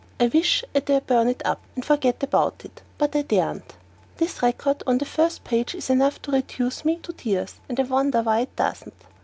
I wish I dare burn it up and forget about it, but I daren't! This record on the first page is enough to reduce me to tears, and I wonder why it doesn't.